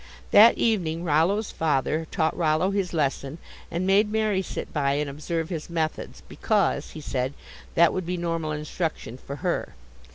That evening Rollo's father taught Rollo his lesson and made Mary sit by and observe his methods, because, he said, that would be normal instruction for her.